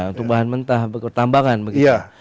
untuk bahan mentah bertambah kan begitu